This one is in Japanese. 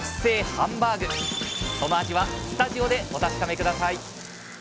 その味はスタジオでお確かめ下さい！